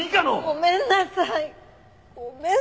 ごめんなさい！